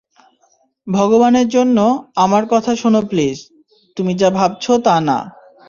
ভগবানের জন্য, আমার কথা শোনো প্লীজ, তুমি যা ভাবছো তা না।